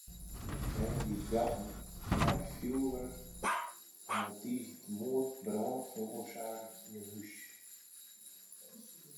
Bern dy't boarten mei fjurwurk hawwe tiisdeitemoarn brân feroarsake yn in hús.